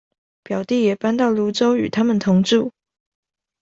表弟也搬到蘆洲與他們同住